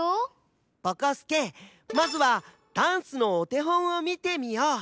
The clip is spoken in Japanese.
ぼこすけまずはダンスのおてほんをみてみよう。